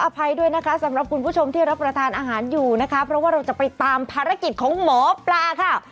เพราะว่าเราจะไปตามภารกิจของหมอปลาค่ะ